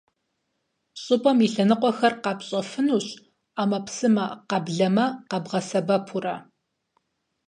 ЩӀыпӀэм и лъэныкъуэхэр къэпщӀэфынущ Ӏэмэпсымэ — къэблэмэ къэбгъэсэбэпурэ.